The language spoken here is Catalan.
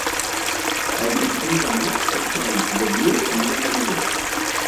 El vint-i-tres de maig en Xavi i en Nil aniran a Viver.